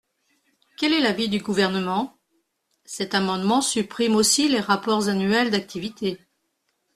Quel est l’avis du Gouvernement ? Cet amendement supprime aussi les rapports annuels d’activité.